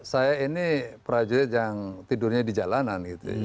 saya ini prajurit yang tidurnya di jalanan